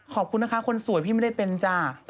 ขอบคุณนะคะคนสวยพี่ไม่ได้เป็นจ้า